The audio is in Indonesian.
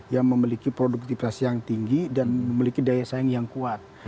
yang memiliki produktivitas yang tinggi dan memiliki daya saing yang kuat